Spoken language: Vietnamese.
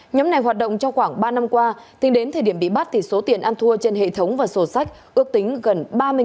nhóm này hoạt động trong khoảng ba năm qua tính đến thời điểm bị bắt số tiền ăn thua trên hệ thống và sổ sách ước tính gần ba mươi